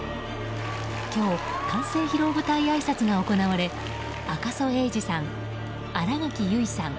今日完成披露舞台あいさつが行われ赤楚衛二さん、新垣結衣さん